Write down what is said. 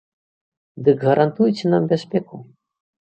Дык гарантуйце нам бяспеку.